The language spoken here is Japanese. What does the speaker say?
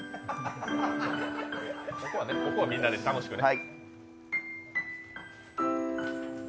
ここはみんなで楽しくね。